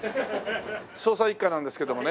捜査一課なんですけどもね。